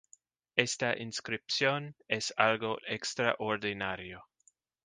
Esta inscripción es algo extraordinario.